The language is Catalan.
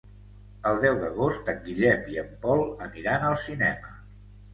El deu d'agost en Guillem i en Pol aniran al cinema.